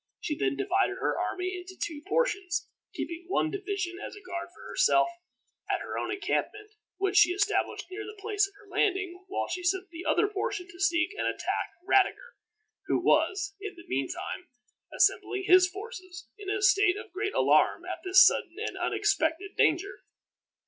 She then divided her army into two portions, keeping one division as a guard for herself at her own encampment, which she established near the place of her landing, while she sent the other portion to seek and attack Radiger, who was, in the mean time, assembling his forces, in a state of great alarm at this sudden and unexpected danger.